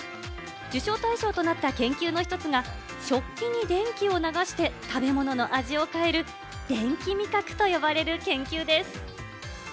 受賞対象となった研究の１つが食器に電気を流して食べ物の味を変える電気味覚と呼ばれる研究です。